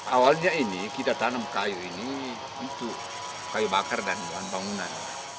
awalnya ini kita tanam kayu ini untuk kayu bakar dan bahan bangunan